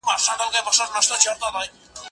زه مخکې اوبه څښلې وې،